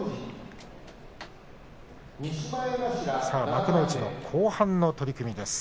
さあ幕内後半の取組です。